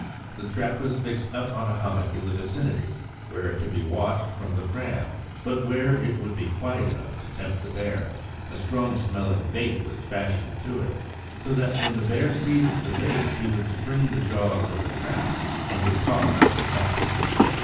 The trap was fixed up on a hummock in the vicinity, where it could be watched from the Fram, but where it would be quiet enough to tempt the bear. A strong smelling bait was fastened to it, so that when the bear seized the bait he would spring the jaws of the trap and get caught round the neck.